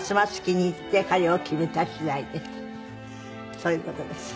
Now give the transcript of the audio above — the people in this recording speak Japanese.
そういう事です。